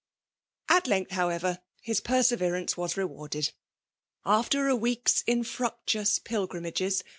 At length, however, his perseveranoe was rewarded. After a week's infiructiaous pil grimages.